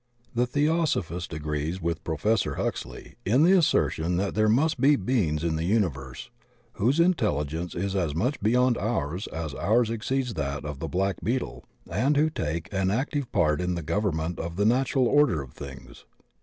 The Theosophist agrees with Prof. Huxley* in the assertion that there must be beings in the imi verse whose intelligence is as much beyond ours as ours exceeds that of the black beetle and who take an ac tive part in the government of the natural order of things.